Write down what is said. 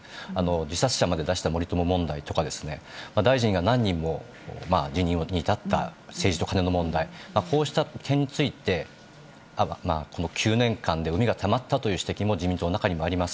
自殺者まで出した森友問題ですとか、大臣が何人も辞任に至った政治とカネの問題、こうした点について、この９年間でうみがたまったという指摘も自民党の中にもあります。